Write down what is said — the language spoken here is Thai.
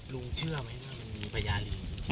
ลุงเชื่อไหมมันมีพระยาวลิง